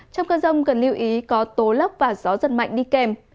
trong cơn rông cần lưu ý có tố lốc và gió giật mạnh đi kèm